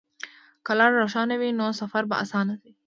که لار روښانه وي، نو سفر به اسانه شي.